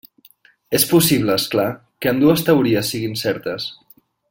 És possible, és clar, que ambdues teories siguin certes.